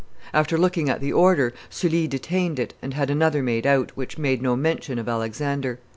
After looking at the order, Sully detained it, and had another made out, which made no mention of Alexander.